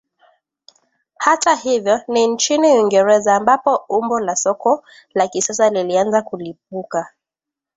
Hata hivyo ni nchini Uingereza ambapo umbo la soka la kisasa lilianza kulipuka